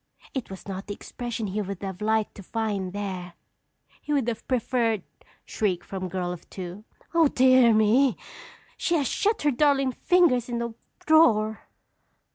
It was not the expression he would have liked to find there. He would have preferred " (Shriek from girl of two.) Oh, dear me! She has shut her darling fingers in the drawer!